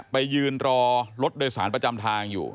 ไปยืนรอรถโดยสารประจำทางอยู่